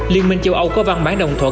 liên minh châu âu có văn bán đồng thuận